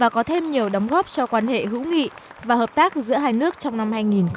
có thêm nhiều đóng góp cho quan hệ hữu nghị và hợp tác giữa hai nước trong năm hai nghìn hai mươi